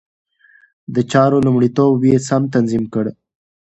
د چارو لومړيتوب يې سم تنظيم کړ.